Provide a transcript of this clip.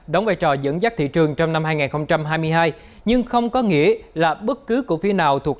đóng vai trò dẫn dắt thị trường trong năm hai nghìn hai mươi hai nhưng không có nghĩa là bất cứ cổ phiếu nào thuộc